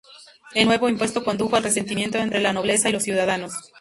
El nuevo impuesto condujo al resentimiento entre la nobleza y los ciudadanos.